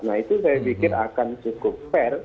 nah itu saya pikir akan cukup fair